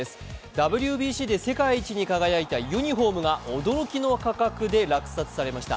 ＷＢＣで世界一に輝いたユニフォームが驚きの価格で落札されました。